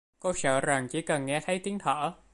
Cô sợ rằng chỉ cần Nghe thấy tiếng thở